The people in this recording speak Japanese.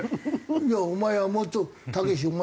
「お前はもうちょっとたけしお前